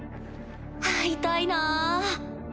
会いたいなぁ。